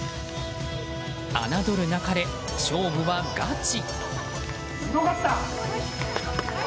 侮るなかれ、勝負はガチ。